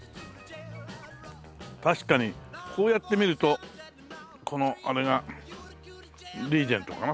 確かにこうやって見るとこのあれがリーゼントかな。